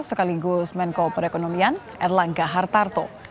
sekaligus menko perekonomian erlangga hartarto